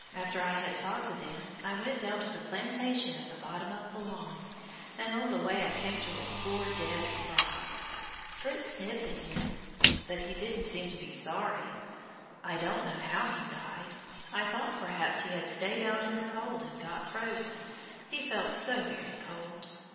After I had talked to them, I went down to the plantation at the bottom of the lawn, and on the way I came to a poor dead frog. Fritz sniffed at him, but he didn't seem to be sorry. I don't know how he died. I thought perhaps he had stayed out in the cold and got frozen, he felt so very cold.